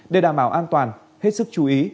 để đảm bảo an toàn hết sức chú ý